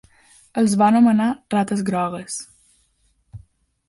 Els va anomenar rates grogues.